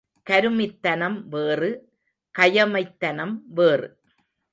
கருமித்தனம் வேறு கயமைத்தனம் வேறு.